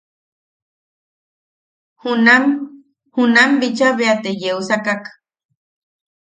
Junam junam bicha bea te yeusakak.